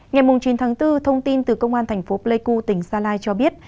ngày chín tháng bốn thông tin từ công an thành phố pleiku tỉnh gia lai cho biết